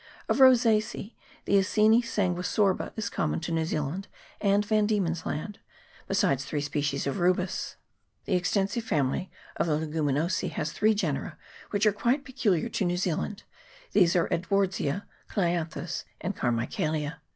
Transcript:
Of Rosace a, the Acoena sanguisorba is common to New Zealand and Van Diemen's Land, besides three species of Rubus. The extensive family of the Leguminosa has three genera 430 THE BOTANY OF [PART II. which are quite peculiar to New Zealand; these are Ed wardsia, Clianthus, and Carmichaelia.